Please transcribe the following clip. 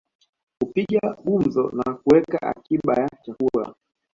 Hupiga gumzo na huweka akiba ya chakula